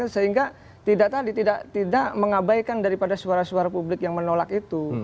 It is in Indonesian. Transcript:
sehingga tidak tadi tidak mengabaikan daripada suara suara publik yang menolak itu